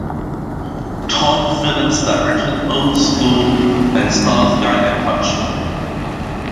Todd Phillips directed "Old School" and "Starsky and Hutch".